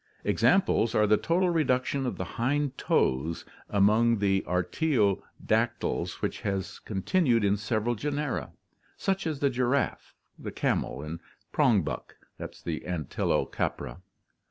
Ex amples are the total reduction of the hind toes among the artio dactyls which has continued in several genera, such as the giraffe, camel, and prong buck (Antilo capra).